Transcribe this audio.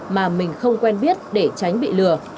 mà mình không quen biết để tránh bị lừa